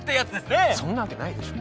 そんなわけないでしょ。